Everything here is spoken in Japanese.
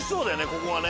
ここがね。